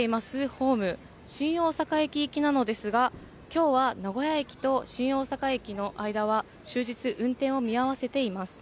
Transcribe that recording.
ホーム、新大阪駅行きなのですが、きょうは名古屋駅と新大阪駅の間は終日、運転を見合わせています。